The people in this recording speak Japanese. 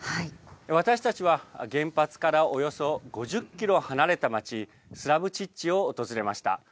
私たちは原発からおよそ５０キロ離れた町、スラブチッチを訪れました。